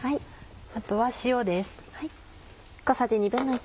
あとは塩です。